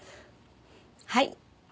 はい。